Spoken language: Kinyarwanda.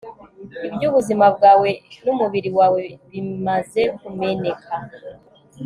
Ibyo ubuzima bwawe numubiri wawe bimaze kumeneka